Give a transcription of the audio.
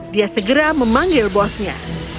dia segera memanggil bosnya